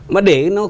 mà để nó